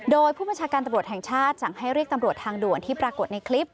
โดยผู้บัญชาการตำรวจแห่งชาติสั่งให้เรียกตำรวจทางด่วนที่ปรากฏในคลิป